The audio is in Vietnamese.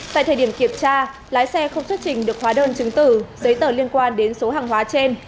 tại thời điểm kiểm tra lái xe không xuất trình được hóa đơn chứng tử giấy tờ liên quan đến số hàng hóa trên